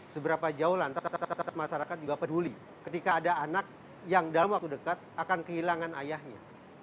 seberapa jauh lantas masyarakat juga peduli ketika ada anak yang dalam waktu dekat akan kehilangan ayahnya